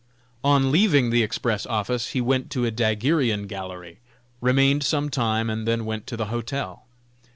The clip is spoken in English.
On leaving the Express office, he went to a daguerrean gallery, remained some time, and then went to the hotel.